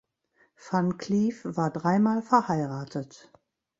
Van Cleef war dreimal verheiratet.